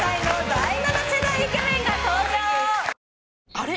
あれ？